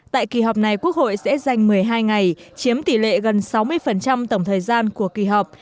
tại kỳ họp này quốc hội sẽ dành một mươi hai ngày chiếm tỷ lệ gần sáu mươi tổng thời gian của kỳ họp